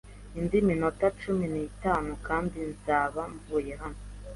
Indi minota cumi n'itanu kandi nzaba mvuye hano.